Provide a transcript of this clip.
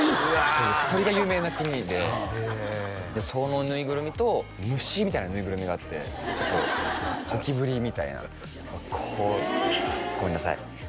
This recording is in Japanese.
そうです鳥が有名な国でそのぬいぐるみと虫みたいなぬいぐるみがあってちょっとゴキブリみたいなええごめんなさい